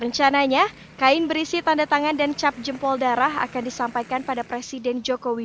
rencananya kain berisi tanda tangan dan cap jempol darah akan disampaikan pada presiden joko widodo